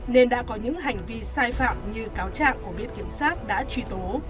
nên đã có những hành vi sai phạm như cáo trạng của viện kiểm sát đã truy tố